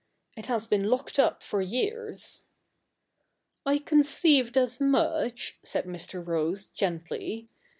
' It has been locked up for years.' ' I conceived as much,' said Mr. Rose gently.